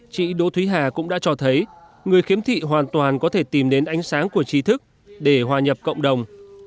chị đỗ thúy hà cũng đã cho thấy người khiếm thị hoàn toàn có thể tìm đến ánh sáng của trí thức để hòa nhập cộng đồng